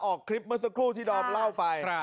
ออกคลิปเมื่อสักครู่ที่ดอมเล่าไป